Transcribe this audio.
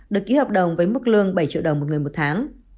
được ký hợp đồng với mức lương bảy triệu đồng một người một tháng